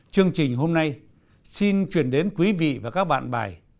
chương trình hôm nay xin truyền đến quý vị và các bạn bài